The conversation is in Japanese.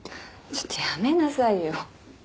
ちょっとやめなさいよ。